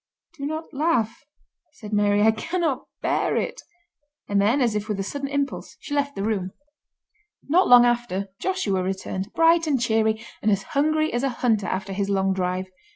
"Do not laugh," said Mary, "I cannot bear it," and then, as if with a sudden impulse, she left the room. Not long after Joshua returned, bright and cheery, and as hungry as a hunter after his long drive.